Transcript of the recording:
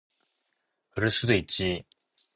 그럴 수도 있지.